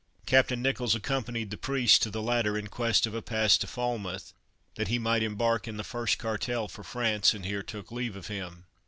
Captain Nicholls accompanied the priest to the latter in quest of a pass to Falmouth, that he might embark in the first cartel for France; and here took leave of him.